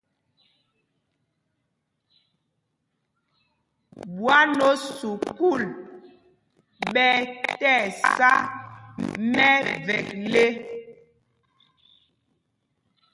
Ɓwán o sukûl ɓɛ tí ɛsá mɛvekle.